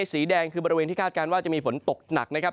สีแดงคือบริเวณที่คาดการณ์ว่าจะมีฝนตกหนักนะครับ